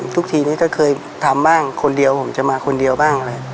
ทุกทีนี้ก็เคยทำบ้างคนเดียวผมจะมาคนเดียวบ้างอะไร